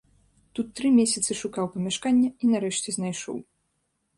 Тут тры месяцы шукаў памяшканне і нарэшце знайшоў.